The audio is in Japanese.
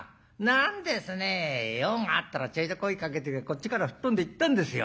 用があったらちょいと声かけてくれりゃこっちから吹っ飛んで行ったんですよ。